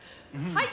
はい。